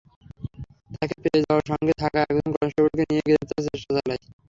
তাঁকে পেয়ে যাওয়ায় সঙ্গে থাকা একজন কনস্টেবলকে নিয়েই গ্রেপ্তারের চেষ্টা চালাই।